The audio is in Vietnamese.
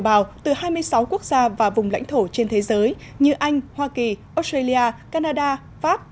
bào từ hai mươi sáu quốc gia và vùng lãnh thổ trên thế giới như anh hoa kỳ australia canada pháp